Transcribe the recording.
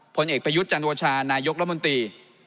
พลเอกพยุทธ์จันทวชานายกรมนตรี